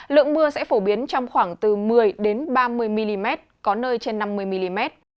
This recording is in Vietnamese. lượng mưa sẽ phổ biến trong khoảng từ một mươi ba mươi mm có nơi trên năm mươi mm